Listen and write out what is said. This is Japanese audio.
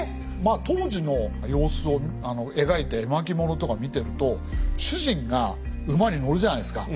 当時の様子を描いて絵巻物とか見てると主人が馬に乗るじゃないですか。